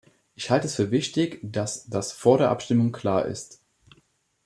Ich halte es für wichtig, dass das vor der Abstimmung klar ist.